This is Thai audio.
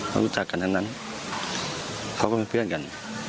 เขารู้จักกันทั้งนั้นเขาก็เป็นเพื่อนกัน